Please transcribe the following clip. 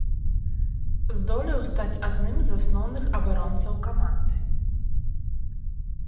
Здолеў стаць адным з асноўных абаронцаў каманды.